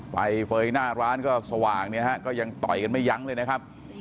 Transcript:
ไฟเฟย์หน้าร้านก็สว่างเนี่ยฮะก็ยังต่อยกันไม่ยั้งเลยนะครับ